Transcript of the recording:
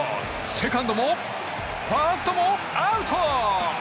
セカンドもファーストもアウト！